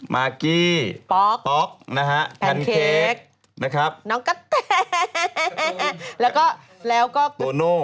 มากกี้พ็อกแพนเค้กนะครับน้องกะแท่แล้วก็โตโน่